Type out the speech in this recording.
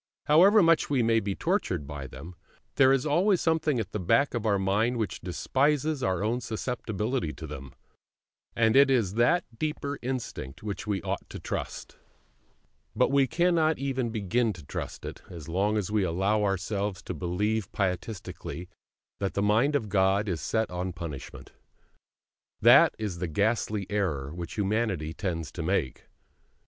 However much we may be tortured by them, there is always something at the back of our mind which despises our own susceptibility to them; and it is that deeper instinct which we ought to trust. But we cannot even begin to trust it, as long as we allow ourselves to believe pietistically that the Mind of God is set on punishment. That is the ghastly error which humanity tends to make.